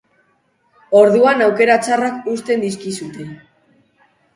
Orduan aukera txarrak uzten dizkizute.